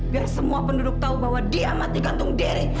biar semua penduduk tahu bahwa dia mati gantung diri